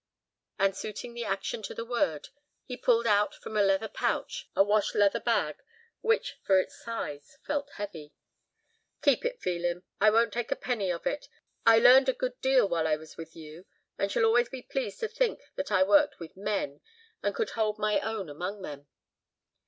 And suiting the action to the word, he pulled out from a leather pouch a wash leather bag which, for its size, felt heavy. "Keep it, Phelim, I won't take a penny of it. I learned a good deal while I was with you, and shall always be pleased to think that I worked with men, and could hold my own among them."